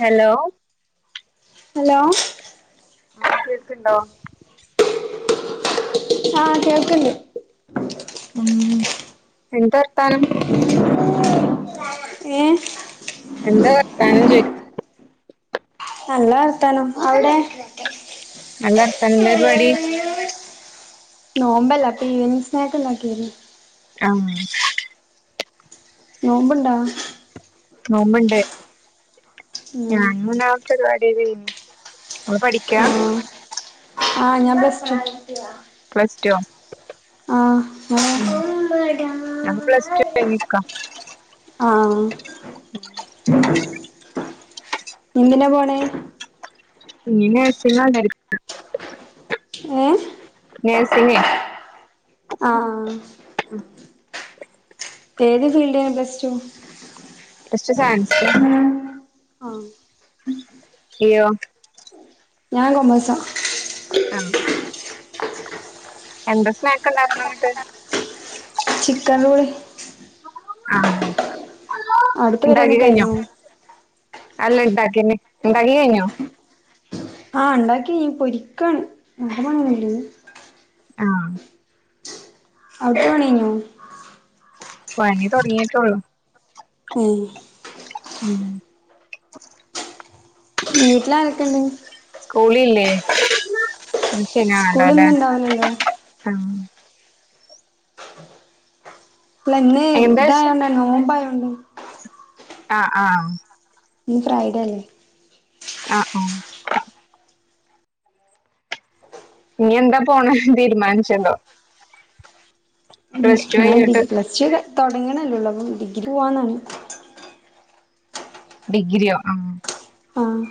Hello hello കേക്ക്ണ്ടോ ആഹ് കേൾക്ക്ണ്ട് ഉം എന്താ വർത്താനം ഏഹ് എന്താ വർത്താനം ചോയ്ക്കാ നല്ല വർത്തനം അവിടെ നല്ല വർത്താനം ന്താ പര്പാടി നോമ്പല്ല അപ്പ ഈവനിങ്ങ് സ്നാക്ക്ണ്ടാക്കേനി ആഹ് നോമ്പുണ്ടാ നോമ്പിണ്ട് ഉം ഞാപിന്നെ [unintelligible] ഇങ്ങള് പഠിക്കാ ആഹ് ആഹ് ഞാൻ പ്ലസ്ടു പ്ലസ് ട്വോ ഉം ഞാപൊ പ്ലസ് ടു കഴിഞിരിക്ക ഉം ന്തിനെ പോണേ ഇഞ്ഞ് നഴ്സിംഗ് ആണ് ഏഹ് നഴ്സിങ്ങേ ആഹ് ഏത് ഫീൽഡേനി പ്ലസ്ടു പ്ലസ്ടു സയൻസ് ആഹ് ഇയ്യോ ഞാൻ കൊമേഴ്സാ ആഹ് എന്താ സ്നേക്ക് ഇണ്ടാക്ക്ണെ ഇന്നിട്ട് ചിക്കൻറോൾ ആഹ് അവിടുത്തെ പരിപാടി ഇണ്ടാക്കി കഴിഞ്ഞോ അല്ല ഇണ്ടാക്കെന്നെ ഇണ്ടാക്കി കയിഞ്ഞോ ആഹ് ഇണ്ടാക്കി പൊരിക്ക [unintelligible] ആഹ് അവിട്ത്തെ പണികഴിഞ്ഞോ പണി തുടങ്ങിയിട്ടുള്ളൂ ആഹ് ഉം വീട്ടിലാരൊക്കെ ഇണ്ട് സ്കൂളില്ലേ ഇന്ന് ശനി ആണല്ലോ അല്ലേ സ്കൂളിന്നും ഉണ്ടാവലല്ലോ ആഹ് ഇല്ല ഇന്ന് എന്താച്ച ഇതായോണ്ടാ നോമ്പായോണ്ട് ആഹ് ആഹ് ഇന്ന് ഫ്രൈഡേ അല്ലേ ആഹ് ആഹ് ഇനി എന്താ പോണെ തീരുമാനിച്ച്ണ്ടോ ഉം ടു ഞാൻ കഴിഞ്ഞിട്ട് ഡിഗ്ലച്ച് തുടങ്ങ്ണല്ലേള്ളു അപ്പം ഡിഗ്രി പോവാന്നാണ് ഡിഗ്രിയോ ആഹ് ആഹ്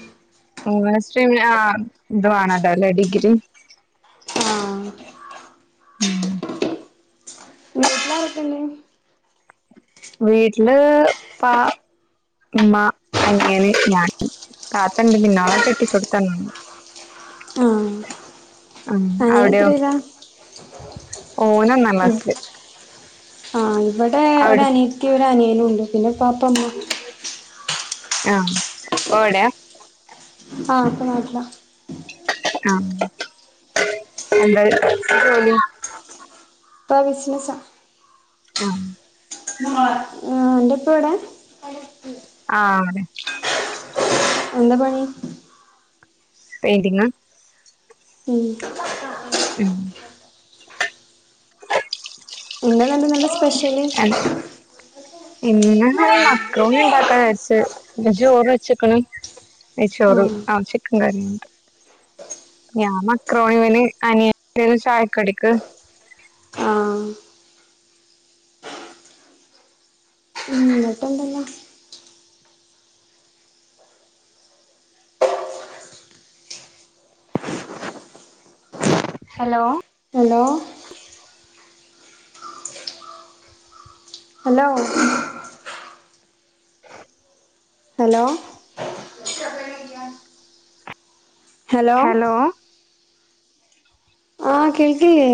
[unintelligible] ആഹ് ഇത് വേണല്ലോലെ ഡിഗ്രി ആഹ് ഉം വീട്ടിലാരൊക്കെ ഇണ്ട് വീട്ടില് ഉപ്പാ ഉമ്മ അനിയന് ഞാന് താത്ത ണ്ട് പിന്നെ ഓളെ കെട്ടിച്ചോട്ത്താണ് ആഹ് ഉം അനിയൻ അവിടെയോ എത്രയിലാ ഓന് ഒന്നാംക്ലാസില് ആഹ് ഇവിടെ ഒര് അവിടെ അനിയത്തി ഒരു അനിയനും ഉണ്ട് പിന്നെ ഉപ്പാപ്പ ഉമ്മ ആഹ് ഉപ്പ ഇവടെ ആഹ് ഉപ്പ നാട്ടിലാ. ആഹ് എന്തായി ജോലി ഇപ്പ ബിസ്നസാ ആഹ് ആഹ് നിന്റെ ഇപ്പ ഇവിടെ ആഹ് അതെ എന്താ പണി പെയിന്റിങാ ഉം ഉം ഇന്ന് ന്നല്ല സ്പെഷൽ [unintelligible] ഇന്ന് ഞങ്ങൾ മക്രോണി ഇണ്ടാക്കാ വിചാരിച്ച് ഇന്ന് ചോറ് വെച്ച്ക്ക്ണ് നെയ്ച്ചോറ് ആഹ് ചിക്കൻ കറിയുംണ്ട് ഞാൻ മക്രോണിയാണ് അനിയന് ചായക്കടിക്ക് ആഹ് ഉം എന്നിട്ടെന്തല്ലാം hello hello hello hello hello ആഹ് കേൾക്ക്ണ്ല്ലെ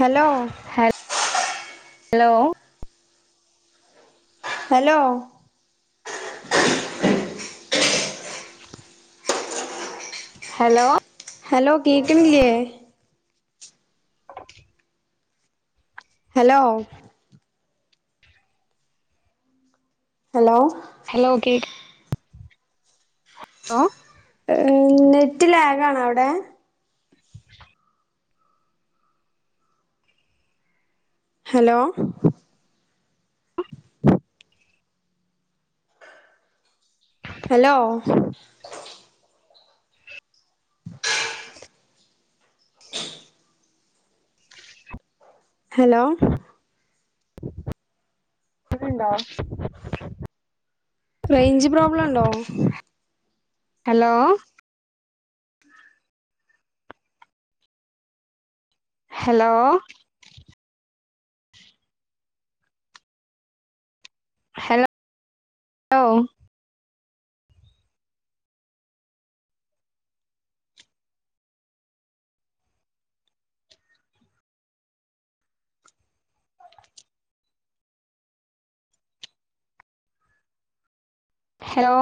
hello hello hello hello hello കേക്ക്ണില്ലെ ഹലോ ഹലോ ഹലോ കേക് ലോ ഏഹ് നെറ്റ് ലാഗാണോ അവിടെ ഹലോ ഹലോ ഹലോ ക്ക്‌ണ്ടോ റേഞ്ച് പ്രോബ്ലം ഉണ്ടോ ഹലോ ഹലോ ഹലോ ലോ ഹലോ